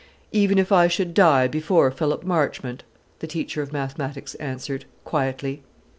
"Even if I should die before Philip Marchmont," the teacher of mathematics answered, quietly.